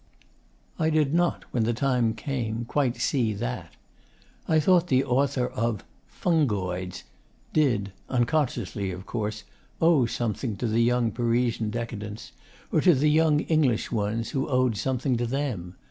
I did not, when the time came, quite see that. I thought the author of 'Fungoids' did unconsciously, of course owe something to the young Parisian decadents, or to the young English ones who owed something to THEM.